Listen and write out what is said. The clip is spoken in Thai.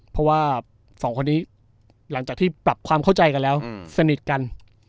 เพราะว่าสองคนนี้หลังจากที่ปรับความเข้าใจกันแล้วสนิทกัน